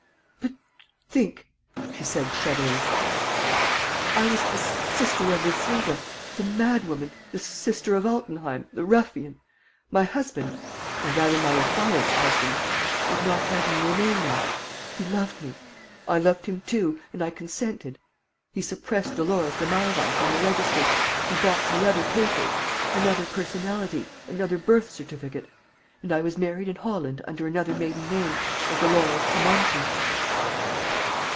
"But think," she said, shuddering, "I was the sister of Isilda, the mad woman, the sister of Altenheim, the ruffian. My husband or rather my affianced husband would not have me remain that. He loved me. I loved him too, and I consented. He suppressed Dolores de Malreich on the register, he bought me other papers, another personality, another birth certificate; and I was married in Holland under another maiden name, as Dolores Amonti."